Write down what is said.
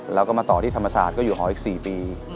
แล้วก็มาต่อที่ธรรมศาสตร์ก็อยู่หออีก๔ปี